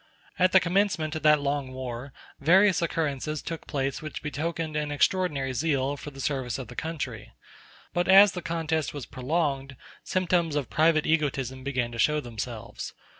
At the commencement of that long war, various occurrences took place which betokened an extraordinary zeal for the service of the country. *p But as the contest was prolonged, symptoms of private egotism began to show themselves.